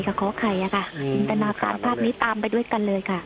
ขอไข่อะค่ะจินตนาการภาพนี้ตามไปด้วยกันเลยค่ะ